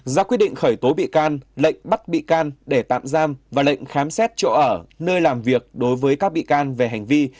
ra quyết định khởi tố bị can lệnh bắt bị can để tạm giam và lệnh khám xét chỗ ở nơi làm việc đối với các bị can về hành vi